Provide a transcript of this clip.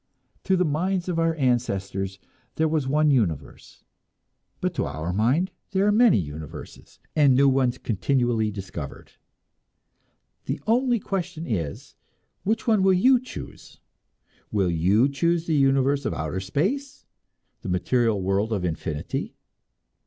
To the minds of our ancestors there was one universe; but to our minds there are many universes, and new ones continually discovered. The only question is, which one will you choose? Will you choose the universe of outer space, the material world of infinity?